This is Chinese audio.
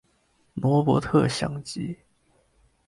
罗伯特像机。